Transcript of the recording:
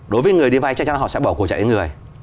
đối với người đi vay chắc chắn họ sẽ bỏ cổ trại đến người